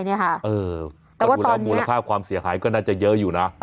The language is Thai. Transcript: แต่ว่าตอนนี้มูลค่าความเสียหายก็น่าจะเยอะอยู่นะ